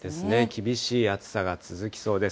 厳しい暑さが続きそうです。